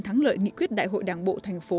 thắng lợi nghị quyết đại hội đảng bộ thành phố